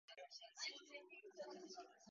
sushi